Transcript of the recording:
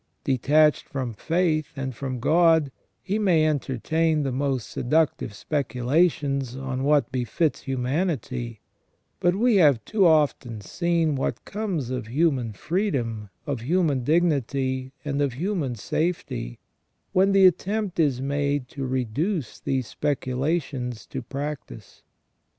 Detached from faith and from God, he may entertain the most seductive speculations on what befits humanity, but we have too often seen what comes of human freedom, of human dignity, and of human safety, when the attempt is made to reduce these specu lations to practice.